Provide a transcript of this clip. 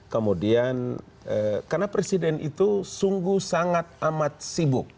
kemudian karena presiden itu sungguh sangat amat sibuk